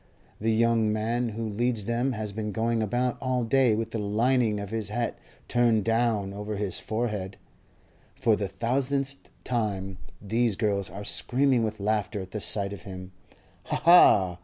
The young man who leads them has been going about all day with the lining of his hat turned down over his forehead; for the thousandth time those girls are screaming with laughter at the sight of him. Ha, ha!